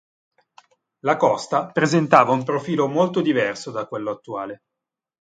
La costa presentava un profilo molto diverso da quello attuale.